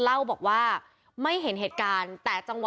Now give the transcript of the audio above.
เธอเล่าบอกว่าไม่เห็นเหตุการณ์